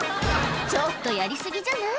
ちょっとやり過ぎじゃない？